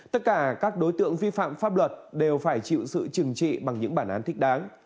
tất cả các đối tượng vi phạm pháp luật đều phải chịu sự trừng trị bằng những bản án thích đáng